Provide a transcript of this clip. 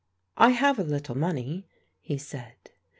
"I have a little money," he said.